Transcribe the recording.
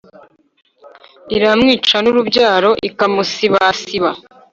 Iramwica n’urubyaro ikamusibasiba.